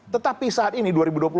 tetapi saat ini dua ribu dua puluh empat